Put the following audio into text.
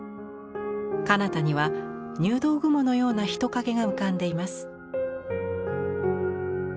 かなたには入道雲のような人影が浮かんでいます。